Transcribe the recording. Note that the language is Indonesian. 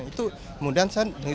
itu kemudian saya